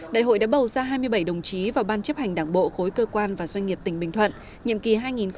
đại hội đã bầu ra hai mươi bảy đồng chí vào ban chấp hành đảng bộ khối cơ quan và doanh nghiệp tỉnh bình thuận nhiệm kỳ hai nghìn hai mươi hai nghìn hai mươi năm